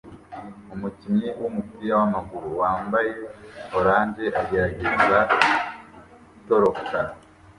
Umukinnyi wumupira wamaguru wambaye orange agerageza gutoroka